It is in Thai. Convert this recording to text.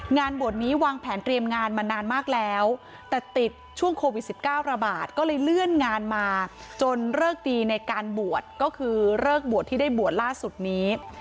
งานบวชนี้วางแผนเตรียมงานมานานมากแล้วแต่ติดช่วงโควิด๑๙ระบาดก็เลยเลื่อนงานมาจนเลิกดีในการบวชก็คือเลิกบวชที่ได้บวชล่าสุดนี้